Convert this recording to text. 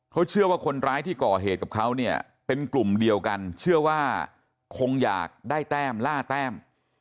เขาเชื่อว่าคนร้ายที่ก่อเหตุกับเขาเนี่ยเป็นกลุ่มเดียวกันเชื่อว่าคงอยากได้แต้มล่าแต้ม